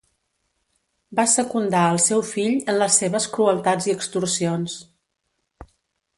Va secundar al seu fill en les seves crueltats i extorsions.